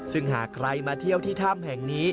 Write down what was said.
ซึ่งหากใครมาเที่ยวที่ถ้ำแห่งนี้